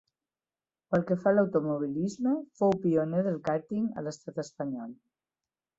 Pel que fa a l'automobilisme, fou pioner del kàrting a l'estat espanyol.